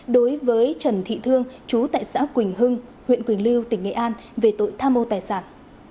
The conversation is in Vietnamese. đối với trần thị thương chú tại xã quỳnh hưng huyện quỳnh lưu tỉnh nghệ an về tội tham mô tài sản